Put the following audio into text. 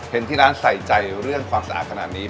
เห็นที่ร้านใส่ใจเรื่องความสะอาดขนาดนี้